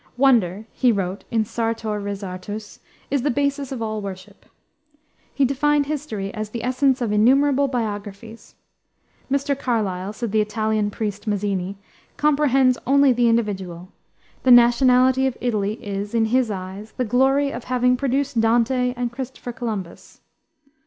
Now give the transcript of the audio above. "Wonder," he wrote in Sartor Resartus, "is the basis of all worship." He defined history as "the essence of innumerable biographies." "Mr. Carlyle," said the Italian patriot, Mazzini, "comprehends only the individual. The nationality of Italy is, in his eyes, the glory of having produced Dante and Christopher Columbus."